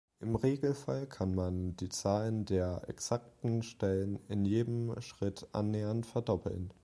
Im Regelfall kann man die Zahl der exakten Stellen in jedem Schritt annähernd verdoppeln.